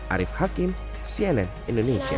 arief hakim cnn indonesia